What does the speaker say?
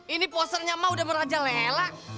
ini posernya mah udah merajalela